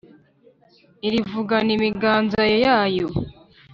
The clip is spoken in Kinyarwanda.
Irivugana imiganzanyo yayo